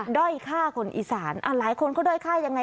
ด้อยฆ่าคนอีสานหลายคนเขาด้อยฆ่ายังไง